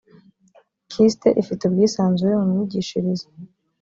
kist ifite ubwisanzure mu myigishirize